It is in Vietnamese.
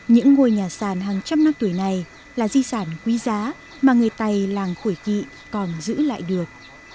những ngôi nhà sàn hàng trăm năm tuổi này là di sản quý giá mà người tày làng khổi kỵ còn giữ lại được